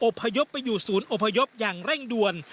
พยพไปอยู่ศูนย์อพยพอย่างเร่งด่วน